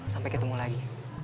sampai ketemu lagi